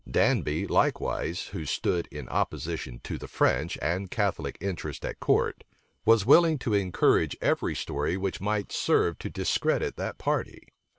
Danby, likewise, who stood in opposition to the French and Catholic interest at court, was willing to encourage every story which might serve to discredit that party.